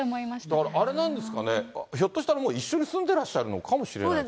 だから、あれなんですかね、ひょっとしたら、もう一緒に住んでらっしゃるのかもしれないですね。